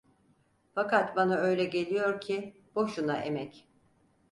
Fakat bana öyle geliyor ki, boşuna emek!